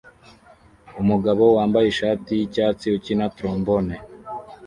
Umugabo wambaye ishati yicyatsi ukina trombone